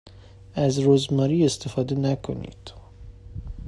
از رزماری استفاده نکنید.